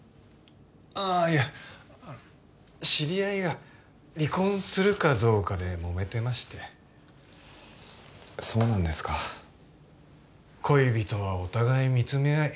ああいや知り合いが離婚するかどうかでもめてましてそうなんですか恋人はお互い見つめ合い